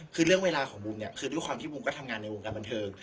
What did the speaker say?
คือเรื่องเวลาของบูมเนี่ยคือด้วยความที่บูมก็ทำงานในวงการบันเทิง